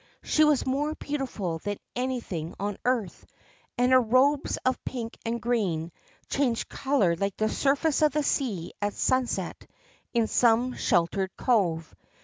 She was more beautiful than anything on earth, and her robes of pink and green changed colour like the surface of the sea at sunset in some sheltered cove.